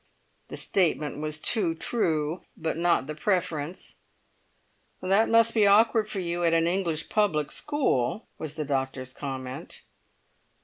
The statement was too true, but not the preference. "That must be awkward for you, at an English public school," was the doctor's comment.